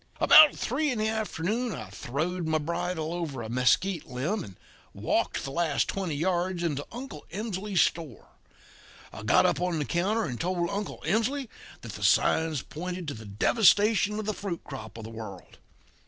"About three in the afternoon I throwed my bridle rein over a mesquite limb and walked the last twenty yards into Uncle Emsley's store. I got up on the counter and told Uncle Emsley that the signs pointed to the devastation of the fruit crop of the world.